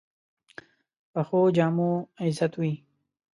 پخو جامو عزت وي